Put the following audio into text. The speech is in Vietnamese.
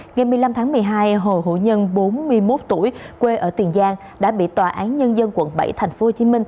ngày một mươi năm tháng một mươi hai hồ hữu nhân bốn mươi một tuổi quê ở tiền giang đã bị tòa án nhân dân quận bảy tp hcm